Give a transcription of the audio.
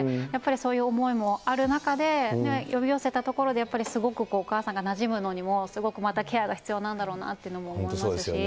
やっぱりそういう思いもある中で、呼び寄せたところで、やっぱりすごくお母さんがなじむのにも、すごくまたケアが必要なんだろうなというのも思いますし。